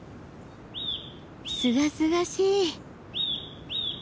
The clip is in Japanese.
すがすがしい。